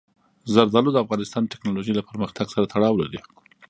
زردالو د افغانستان د تکنالوژۍ له پرمختګ سره تړاو لري.